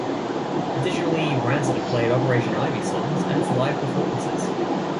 Additionally, Rancid have played Operation Ivy songs at its live performances.